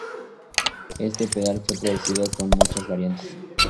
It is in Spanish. Este pedal fue producido con muchas variantes.